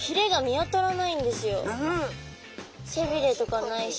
背びれとかないし。